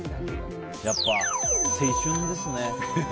やっぱ青春ですね。